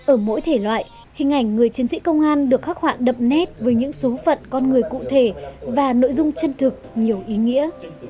ở mỗi thể loại hình ảnh người chiến sĩ công an được khắc họa đậm nét với những số phận con người cụ thể và nội dung chân thực nhiều ý nghĩa